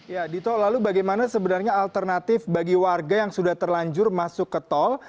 ya dito lalu bagaimana sebenarnya alternatif bagi warga yang sudah terlanjur masuk ke tol